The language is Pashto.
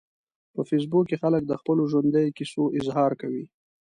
په فېسبوک کې خلک د خپلو ژوندیو کیسو اظهار کوي